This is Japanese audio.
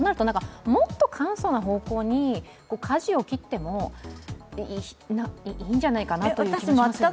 もっと簡素な方向に舵を切ってもいいんじゃないかなと思いますよね。